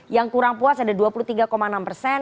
yang kurang puas ada dua puluh tiga enam persen